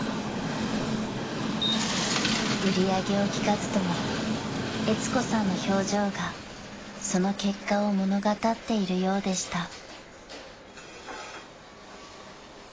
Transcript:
［売り上げを聞かずともえつ子さんの表情がその結果を物語っているようでした］